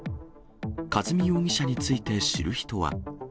和美容疑者について知る人は。